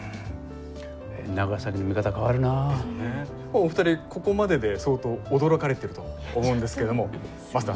お二人ここまでで相当驚かれてると思うんですけどもマスター。